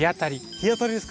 日当りですか？